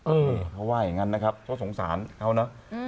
เออเขาว่าอย่างนั้นนะครับเขาสงสารเขาเนอะ